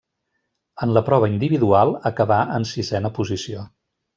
En la prova individual acabà en sisena posició.